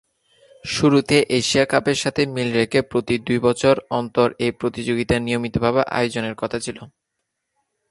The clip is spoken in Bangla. শুরুতে এশিয়া কাপের সাথে মিল রেখে প্রতি দুই বছর অন্তর এ প্রতিযোগিতা নিয়মিতভাবে আয়োজনের কথা ছিল।